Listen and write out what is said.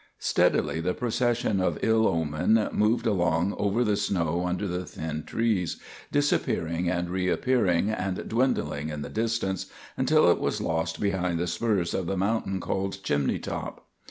Steadily the procession of ill omen moved along over the snow under the thin trees, disappearing and reappearing and dwindling in the distance, until it was lost behind the spurs of the mountain called Chimney Top.